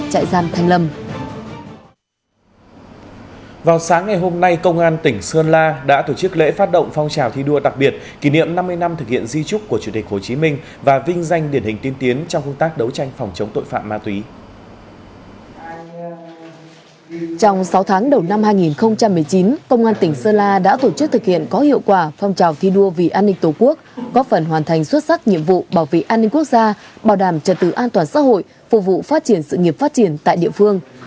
công an tỉnh sơn la đã tổ chức thực hiện có hiệu quả phong trào thi đua vì an ninh tổ quốc góp phần hoàn thành xuất sắc nhiệm vụ bảo vệ an ninh quốc gia bảo đảm trật tự an toàn xã hội phục vụ phát triển sự nghiệp phát triển tại địa phương